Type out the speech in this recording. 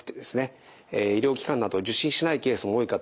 医療機関などを受診しないケースも多いかと思います。